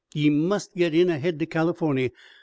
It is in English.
"Ye must git in ahead to Californy.